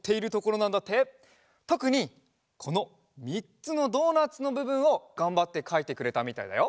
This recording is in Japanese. とくにこのみっつのドーナツのぶぶんをがんばってかいてくれたみたいだよ。